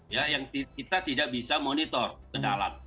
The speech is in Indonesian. ya yang kita tidak bisa monitor ke dalam